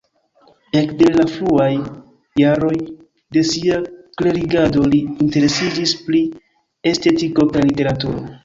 Ekde la fruaj jaroj de sia klerigado li interesiĝis pri estetiko kaj literaturo.